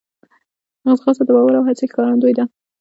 ځغاسته د باور او هڅې ښکارندوی ده